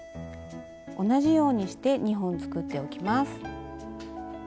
同じようにして２本作っておきます。